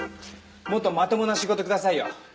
もっとまともな仕事くださいよ。